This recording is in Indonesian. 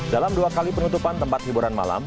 dalam dua kali penutupan tempat hiburan malam